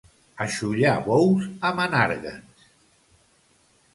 A xollar bous, a Menàrguens!